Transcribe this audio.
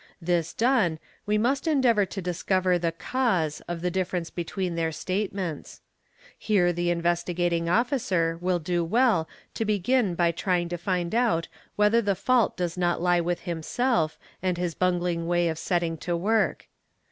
This done, we must endeavour to discover the cause of the difference between their statements. Here the Investigating Officer will do well te begin by trying to find out whether the fault does not he with himself and his bungling way of setting to work.